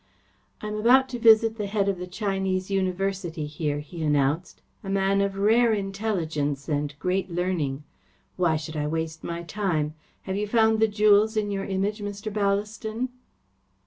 "I am about to visit the head of the Chinese University here," he announced. "A man of rare intelligence and great learning! Why should I waste my time? Have you found the jewels in your Image, Mr. Ballaston?"